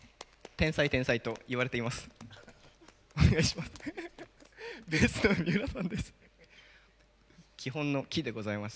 天才天才といわれています。